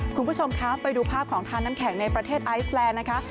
คุณผู้ชมคะไปดูภาพของทานน้ำแข็งในประเทศไอซแลนด์นะคะ